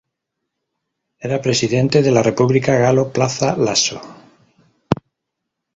Era presidente de la República Galo Plaza Lasso.